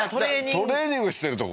トレーニングしてるとこ？